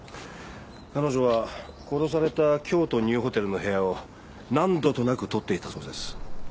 彼女は殺された京都ニューホテルの部屋を何度となく取っていたそうです。